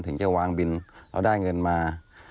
ถึงจะวางบินแล้วได้เงินมา